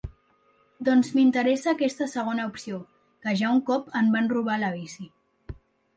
Doncs m'interessa aquesta segona opció, que ja un cop em van robar la bici.